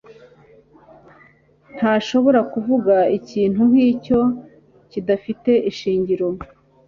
Ntashobora kuvuga ikintu nkicyo kidafite ishingiro.